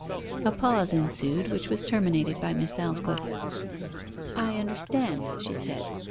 A pause ensued, which was terminated by Miss Aldclyffe. 'I understand,' she said.